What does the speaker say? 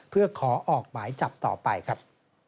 เพื่อขอออกหมายจับต่อไปครับ